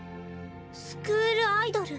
スクールアイドル。